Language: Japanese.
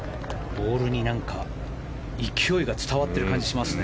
ボールに勢いが伝わっている感じがしますね。